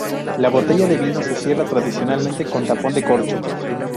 La botella de vino se cierra tradicionalmente con tapón de corcho.